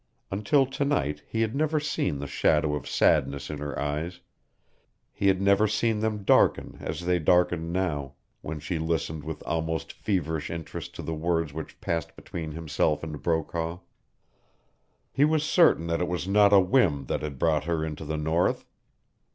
Until to night he had never seen the shadow of sadness in her eyes; he had never seen them darken as they darkened now, when she listened with almost feverish interest to the words which passed between himself and Brokaw. He was certain that it was not a whim that had brought her into the north.